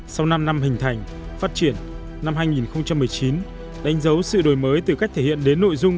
sau năm năm hình thành phát triển năm hai nghìn một mươi chín đánh dấu sự đổi mới từ cách thể hiện đến nội dung